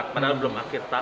padahal belum akhir